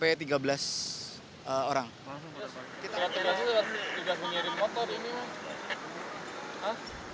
kita sudah sudah sudah sudah menyerim motor ini